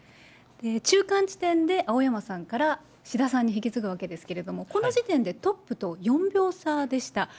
中間地点で青山さんから志田さんに引き継ぐわけですけれども、この時点でトップと４秒差でした。